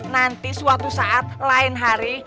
nanti suatu saat lain hari